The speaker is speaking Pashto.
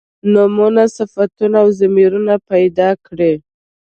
نومونه صفتونه او ضمیرونه پیدا کړي.